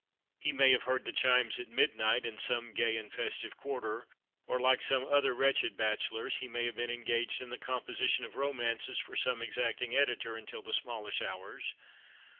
He may have heard the chimes at midnight, in some gay and festive quarter, or, like some other wretched bachelors, he may have been engaged in the composition of romances for some exacting editor, until the smallish hours.